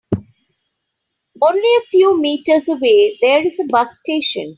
Only a few meters away there is a bus station.